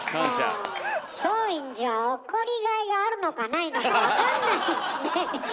もう松陰寺は怒りがいがあるのかないのか分かんないですね。